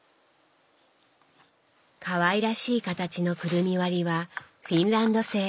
かわいらしい形のくるみ割りはフィンランド製。